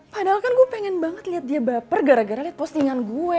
padahal kan gue pengen banget lihat dia baper gara gara lihat postingan gue